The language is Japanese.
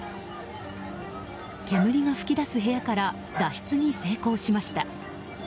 煙が噴き出す部屋から脱出に成功しました。